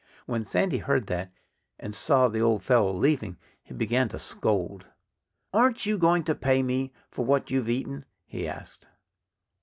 When Sandy heard that, and saw the old fellow leaving, he began to scold. "Aren't you going to pay me for what you've eaten?" he asked.